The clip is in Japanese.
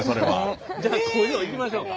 じゃあ工場行きましょうか。